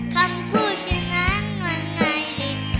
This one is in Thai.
คำพูดชื่นักหวาดงายหลีก